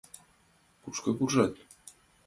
Кушко куржат?